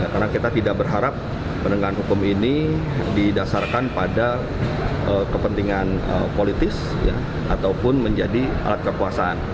karena kita tidak berharap penegak hukum ini didasarkan pada kepentingan politis ataupun menjadi alat kekuasaan